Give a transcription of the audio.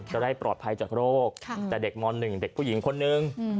จะได้ปลอดภัยจากโรคแต่เด็กม๑เด็กผู้หญิงคนนึง